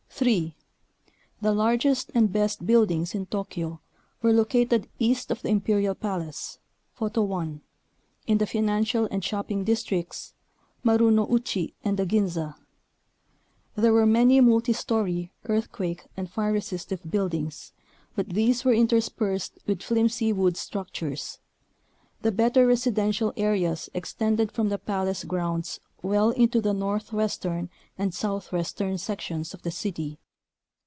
3. The largest and best buildings in Tokyo were located east of the imperial palace (Photo 1) in the financial and shopping districts (Marunouchi and the Ginza). There were many multi story, earthquake and fire resistive buildings, but these were interspersed with flimsy wood structures. The better residential areas extended from the palace grounds well into the northwestern and southwestern sec tions of the city.